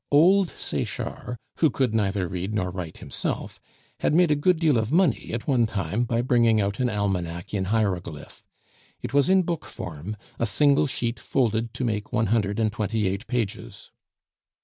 Old Sechard, who could neither read nor write himself, had made a good deal of money at one time by bringing out an almanac in hieroglyph. It was in book form, a single sheet folded to make one hundred and twenty eight pages.